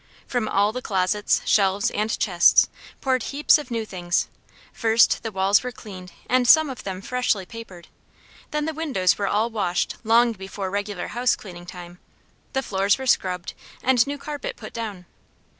From all the closets, shelves and chests poured heaps of new things. First, the walls were cleaned and some of them freshly papered, then the windows were all washed long before regular housecleaning time, the floors were scrubbed and new carpet put down.